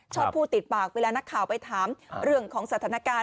ชอบพูดติดปากเวลานักข่าวไปถามเรื่องของสถานการณ์